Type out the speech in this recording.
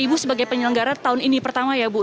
ibu sebagai penyelenggara tahun ini pertama ya bu